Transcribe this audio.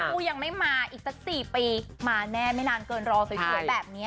ยังไม่มาอีกสัก๔ปีมาแน่ไม่นานเกินรอสวยแบบนี้